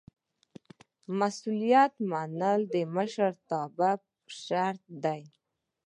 مسؤلیت منل د مشرتابه شرط دی.